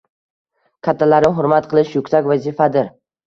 Kattalarni hurmat qilish yuksak vazifadir.